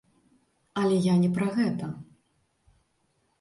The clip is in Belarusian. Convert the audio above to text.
Але я не пра гэта.